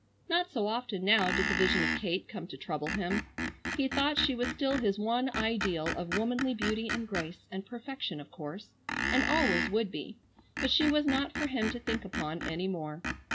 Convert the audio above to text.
Not so often now did the vision of Kate come to trouble him. He thought she was still his one ideal of womanly beauty and grace and perfection of course, and always would be, but she was not for him to think upon any more.